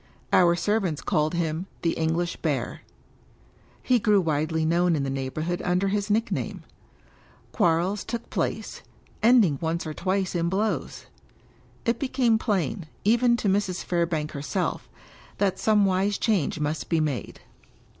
Our servants called him " the English Bear." He grew widely known in the neighborhood under his nickname. Quarrels took place, ending once or twice in blows. It became plain, even to Mrs. Fairbank herself, that some wise change must be made.